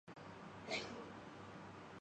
میں نے مشورہ دیا